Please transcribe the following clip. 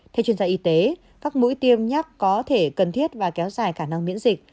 theo chuyên gia y tế các mũi tiêm nhắc có thể cần thiết và kéo dài khả năng miễn dịch